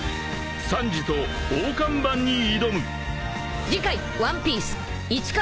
［サンジと大看板に挑む！］